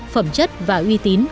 phẩm chất và uy tín